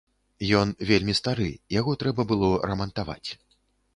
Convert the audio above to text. Ён вельмі стары, яго трэба было рамантаваць.